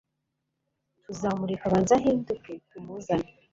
Tuzamureka aba nze ahinduke tumuzane